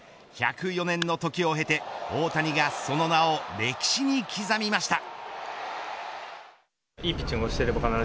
１０４年の時を経て大谷がその名を歴史に刻みました。